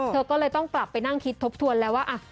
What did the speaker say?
เธอก็เลยต้องกลับไปนั่งคิดทบทวนแล้วว่า